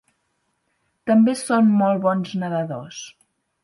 També són molt bons nedadors.